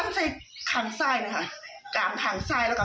ขณะเดียวกันคุณอ้อยคนที่เป็นเมียฝรั่งคนนั้นแหละ